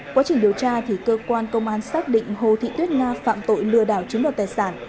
quá trình điều tra thì cơ quan công an xác định hồ thị tuyết nga phạm tội lừa đảo chiếm đoạt tài sản